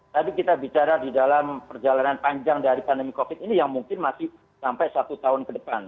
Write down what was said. tapi kita bicara di dalam perjalanan panjang dari pandemi covid ini yang mungkin masih sampai satu tahun ke depan